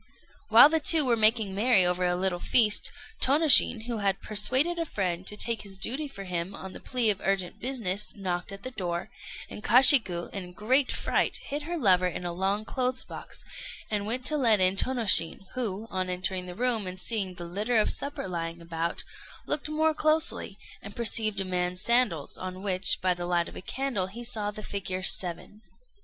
While the two were making merry over a little feast, Tônoshin, who had persuaded a friend to take his duty for him on the plea of urgent business, knocked at the door, and Kashiku, in a great fright, hid her lover in a long clothes box, and went to let in Tônoshin, who, on entering the room and seeing the litter of the supper lying about, looked more closely, and perceived a man's sandals, on which, by the light of a candle, he saw the figure seven.